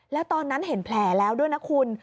แล้วตอนนั้นเห็นแผลแล้วด้วยนะคุณ